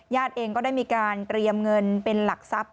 เองก็ได้มีการเตรียมเงินเป็นหลักทรัพย